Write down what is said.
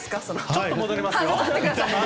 ちょっと戻りますよ。